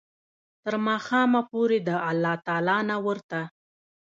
تر ماښامه پوري د الله تعالی نه ورته